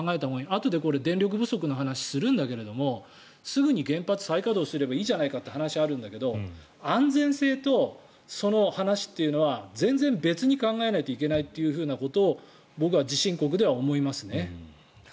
あとで電力不足の話をするんだけれどもすぐに原発再稼働すればいいじゃないかという話があるけど安全性とその話というのは全然別に考えないといけないということを僕は地震国では思いますね。